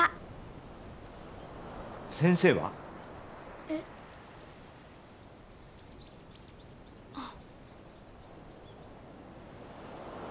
先生は？えっ？あっ。